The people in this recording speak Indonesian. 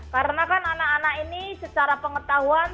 karena kan anak anak ini secara pengetahuan